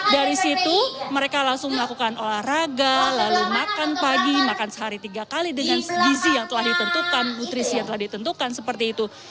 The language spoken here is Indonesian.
dari situ mereka langsung melakukan olahraga lalu makan pagi makan sehari tiga kali dengan gizi yang telah ditentukan nutrisi yang telah ditentukan seperti itu